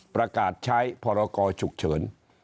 ประกาศใช้พรกรฉุกเฉิน